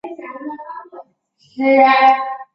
塞莱什泰。